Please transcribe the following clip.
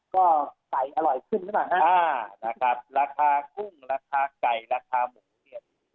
ก็ไก่อร่อยขึ้นต่อมานะอ่านะครับราคากุ้งราคาไก่ราคาหมุนเนี้ย